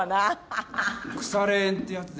腐れ縁ってやつですよ